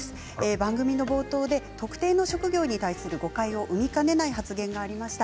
番組の冒頭で特定の職業に対する誤解を生みかねない発言がありました。